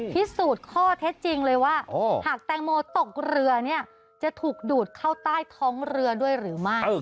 พิสูจน์ข้อเท็จจริงเลยว่าหากแตงโมตกเรือเนี่ยจะถูกดูดเข้าใต้ท้องเรือด้วยหรือไม่